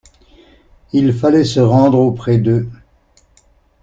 Il fallait se rendre auprès d'eux.